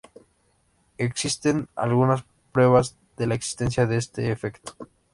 Existen algunas pruebas de la existencia de este efecto.